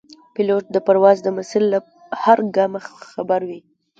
پیلوټ د پرواز د مسیر له هر ګامه خبر وي.